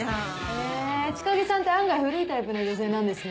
え千景さんって案外古いタイプの女性なんですね。